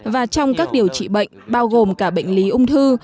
và trong các điều trị bệnh bao gồm cả bệnh lý ung thư